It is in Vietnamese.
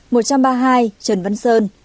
một trăm ba mươi hai trần văn sơn